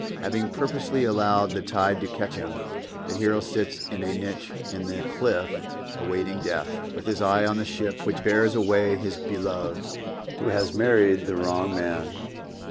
Having purposely allowed the tide to catch him, the hero sits in a niche in the cliff awaiting death, with his eye on the ship which bears away his beloved, who has married the wrong man.